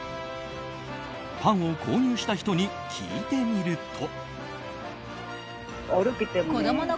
パンを購入した人に聞いてみると。